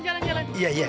jalan jalan jalan